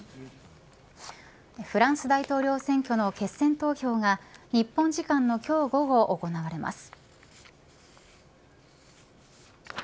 フランス大統領選挙の決選投票が日本時間の今日午後行われます。